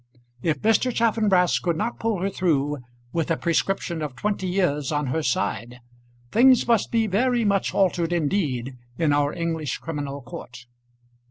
If Mr. Chaffanbrass could not pull her through, with a prescription of twenty years on her side, things must be very much altered indeed in our English criminal court.